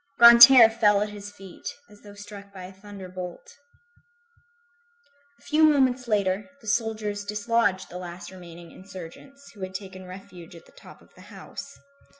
Grantaire fell at his feet, as though struck by a thunderbolt. A few moments later, the soldiers dislodged the last remaining insurgents, who had taken refuge at the top of the house.